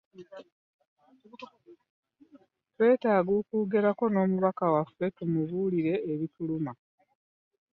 Twetaaga okwogerako n'omubaka waffe tumubuulire ebituluma.